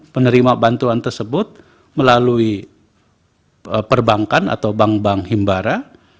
penerima bantuan tersebut melalui perbankan atau bank bank himbara